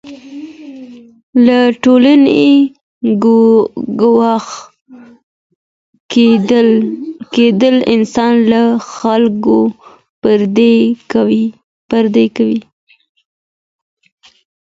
له ټولني ګوښه کېدل انسان له خلګو پردی کوي.